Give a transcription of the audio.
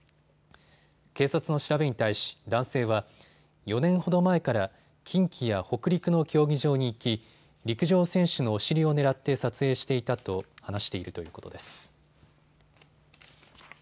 警察の調べに対し男性は４年ほど前から近畿や北陸の競技場に行き陸上選手のお尻を狙って撮影していたと話しているということです。